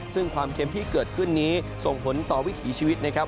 ซึ่งความเค็มที่เกิดขึ้นนี้ส่งผลต่อวิถีชีวิตนะครับ